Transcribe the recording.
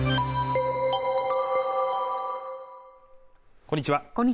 こんにちは